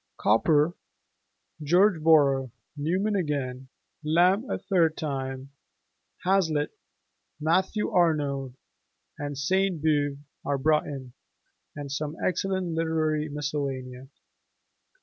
Cowper, George Borrow, Newman again, Lamb a third time (and fresh as ever), Hazlitt, Matthew Arnold, and Sainte Beuve are brought in, and some excellent literary miscellanea.